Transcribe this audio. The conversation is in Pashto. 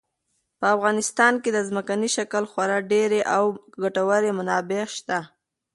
په افغانستان کې د ځمکني شکل خورا ډېرې او ګټورې منابع شته.